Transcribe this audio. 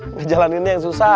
ngejalaninnya yang susah